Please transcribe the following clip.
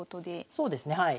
そうですねはい。